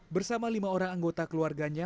bersama lima orang anggota keluarganya